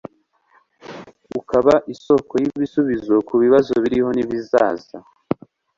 ukaba isoko y'ibisubizo ku bibazo biriho n'ibizaza